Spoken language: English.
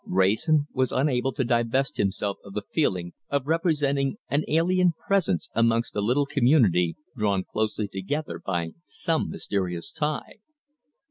Wrayson was unable to divest himself of the feeling of representing an alien presence amongst a little community drawn closely together by some mysterious tie.